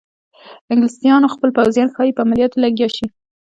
انګلیسیانو خپل پوځیان ښایي په عملیاتو لګیا شي.